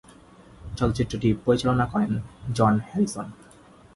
চলচ্চিত্রটি পরিচালনা করেন জন হ্যারিসন।